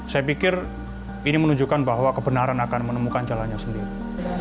saya pikir ini menunjukkan bahwa kebenaran akan menemukan jalannya sendiri